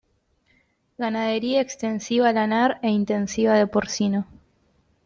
Ganadería extensiva lanar e intensiva de porcino.